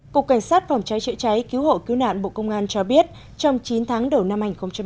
cục cảnh sát phòng cháy chữa cháy cứu hộ cứu nạn bộ công an cho biết trong chín tháng đầu năm hai nghìn hai mươi